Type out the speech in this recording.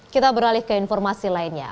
kita beralih ke informasi lainnya